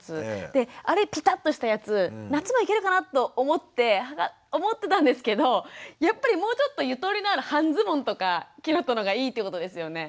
であれピタッとしたやつ夏もいけるかなと思ってたんですけどやっぱりもうちょっとゆとりのある半ズボンとかキュロットの方がいいってことですよね。